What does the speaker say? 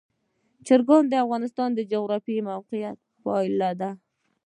چرګان د افغانستان د جغرافیایي موقیعت پایله ده.